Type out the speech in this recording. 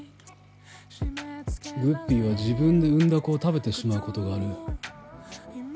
グッピーは自分で産んだ子を食べてしまうことがある。